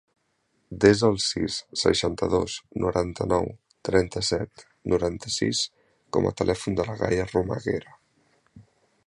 Desa el sis, seixanta-dos, noranta-nou, trenta-set, noranta-sis com a telèfon de la Gaia Romaguera.